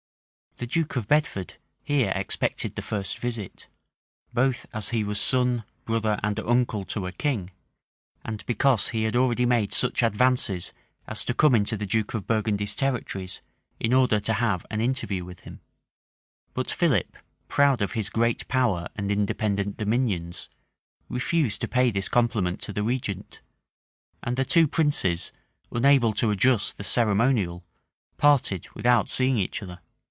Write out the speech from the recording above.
The duke of Bedford here expected the first visit, both as he was son, brother, and uncle to a king, and because he had already made such advances as to come into the duke of Burgundy's territories, in order to have an interview with him: but Philip, proud of his great power and independent dominions, refused to pay this compliment to the regent; and the two princes, unable to adjust the ceremonial, parted without seeing each other.